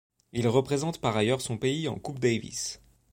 Il représente par ailleurs son pays en Coupe Davis.